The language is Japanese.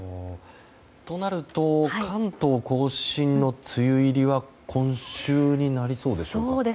となると関東・甲信の梅雨入りは今週になりそうでしょうか？